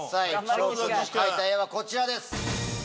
紫耀君の描いた絵はこちらです。